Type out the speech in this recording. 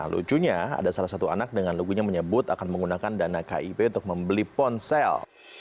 lucunya ada salah satu anak dengan lugunya menyebut akan menggunakan dana kip untuk membeli ponsel